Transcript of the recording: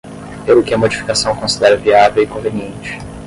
Pelo que a modificação considera viável e conveniente.